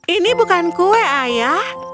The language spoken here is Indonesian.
ini bukan kue ayah